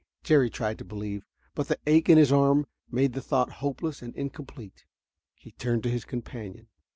Jerry tried to believe, but the ache in his arm made the thought hopeless and incomplete. He turned to his companion.